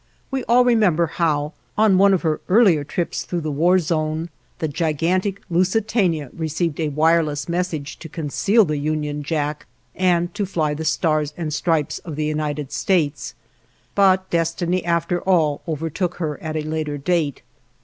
We all remember how, on one of her earlier trips through the war zone, the gigantic "Lusitania" received a wireless message to conceal the Union Jack and to fly the Stars and Stripes of the United States, but destiny after all overtook her at a later date.